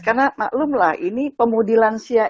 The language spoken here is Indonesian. karena maklumlah ini pemudilan sia